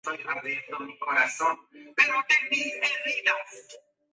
Suele dividirse entre los textos escritos en árabe y en persa.